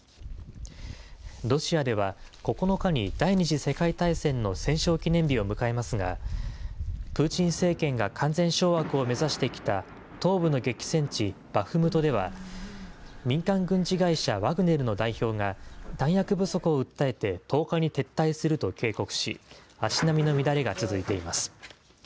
ロシアでは９日に第２次世界大戦の戦勝記念日を迎えますが、プーチン政権が完全掌握を目指してきた、東部の激戦地バフムトでは、民間軍事会社ワグネルの代表が弾薬不足を訴えて、１０日に撤退すると警告し、足並みの乱れが続いています。